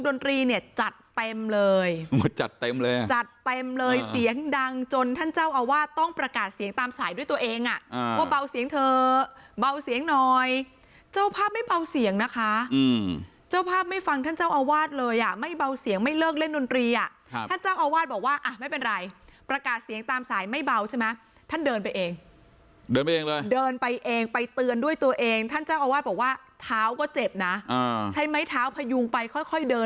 โดยเสียงดังจนท่านเจ้าอาวาสต้องประกาศเสียงตามสายด้วยตัวเองอ่ะว่าเบาเสียงเถอะเบาเสียงหน่อยเจ้าภาพไม่เบาเสียงนะคะอืมเจ้าภาพไม่ฟังท่านเจ้าอาวาสเลยอ่ะไม่เบาเสียงไม่เลิกเล่นนรีอ่ะครับท่านเจ้าอาวาสบอกว่าอ่ะไม่เป็นไรประกาศเสียงตามสายไม่เบาใช่ไหมท่านเดินไปเองเดินไปเองเลยเดินไปเ